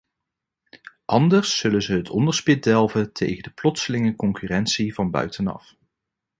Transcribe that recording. Anders zullen ze het onderspit delven tegen de plotselinge concurrentie van buitenaf.